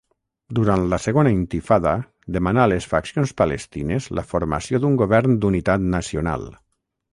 Durant la Segona Intifada demanà a les faccions palestines la formació d'un govern d'unitat nacional.